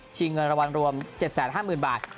ชีเงินระวังรวม๗๕๐๐๐๐บาท